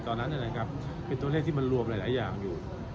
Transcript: ตอนนั้นนะครับเป็นตัวเลขที่มันรวมหลายอย่างอยู่